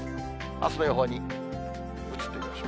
あすの予報に移ってみましょう。